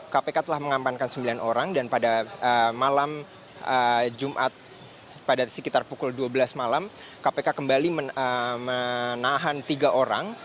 kpk telah mengamankan sembilan orang dan pada malam jumat pada sekitar pukul dua belas malam kpk kembali menahan tiga orang